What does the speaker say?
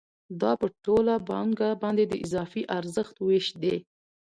دا په ټوله پانګه باندې د اضافي ارزښت وېش دی